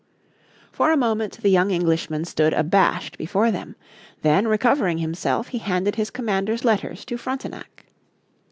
For a moment the young Englishman stood abashed before them. Then, recovering himself, he handed his commander's letters to Frontenac.